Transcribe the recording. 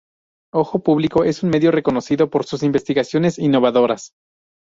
Ojo Público es un medio reconocido por sus investigaciones innovadoras.